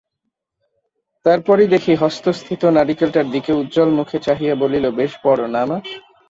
তারপরই দেখি-হস্তস্থিত নারিকেলটার দিকে উজ্জ্বল মুখে চাহিয়া বলিল, বেশ বড়, না মা?